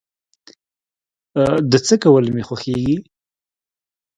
د څه کول مې خوښيږي؟